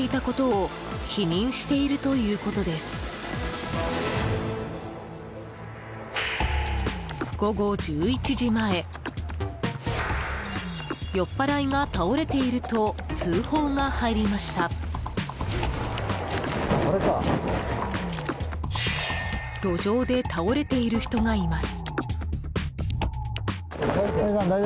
路上で倒れている人がいます。